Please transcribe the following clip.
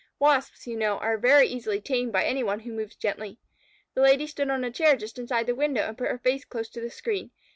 Wasps, you know, are very easily tamed by any one who moves gently. The Lady stood on a chair just inside the window, and put her face close to the screen.